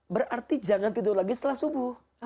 berarti jangan tidur lagi setelah subuh